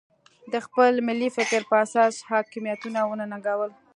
د خپل ملي فکر په اساس حاکمیتونه وننګول.